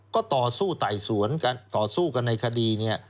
ก็ต่อสู้ไต่สวนกันต่อสู้กันในคดีเนี่ย